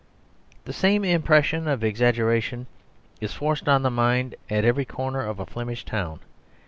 The same impression of exaggeration is forced on the mind at every corner of a Flemish town.